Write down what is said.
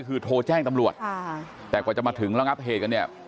คือโทรแจ้งตำรวจแต่กว่าจะมาถึงระงับเหตุกันเนี่ย